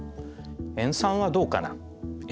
塩酸はどうかな？